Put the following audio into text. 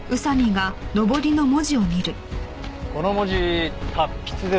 この文字達筆ですね。